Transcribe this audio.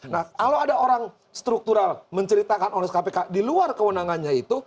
nah kalau ada orang struktural menceritakan orang kpk di luar kewenangannya itu